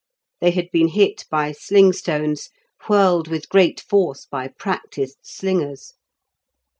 They had been hit by sling stones, whirled with great force by practised slingers.